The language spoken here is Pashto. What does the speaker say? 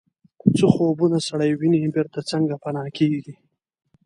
څه خوبونه سړی ویني بیرته څنګه پناه کیږي